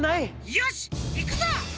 よしいくぞ！